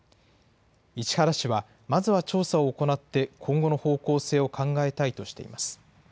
市原市は、まずは調査を行って、今後の方向性を考えたいとしています。